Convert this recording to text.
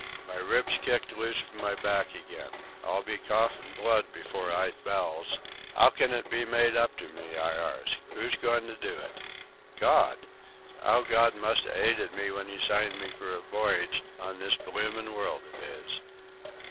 My ribs kicked loose from my back again. I'll be coughin' blood before eyght bells. 'Ow can it be myde up to me, I arsk? 'Oo's goin' to do it? Gawd? 'Ow Gawd must 'ave 'ated me w'en 'e signed me on for a voyage in this bloomin' world of 'is!"